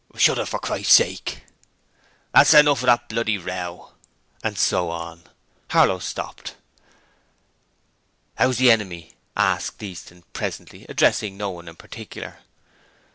'Shut it, for Christ's sake!' 'That's enough of that bloody row!' And so on. Harlow stopped. 'How's the enemy?' asked Easton presently, addressing no one in particular.